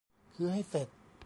คือให้เสร็จ